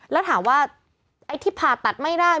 แล้วถามว่าไอ้ที่ผ่าตัดไม่ได้